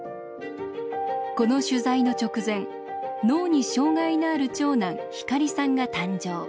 この取材の直前脳に障害のある長男光さんが誕生。